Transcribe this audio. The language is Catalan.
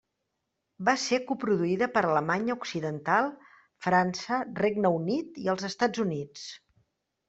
Va ser coproduïda per l'Alemanya Occidental, França, Regne Unit i els Estats Units.